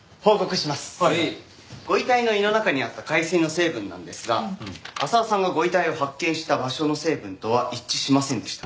ご遺体の胃の中にあった海水の成分なんですが浅輪さんがご遺体を発見した場所の成分とは一致しませんでした。